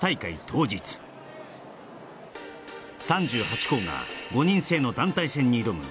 当日３８校が５人制の団体戦に挑む